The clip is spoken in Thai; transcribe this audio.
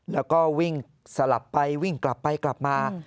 แล้วก็วิ่งสลับไปวิ่งกลับไปกลับมา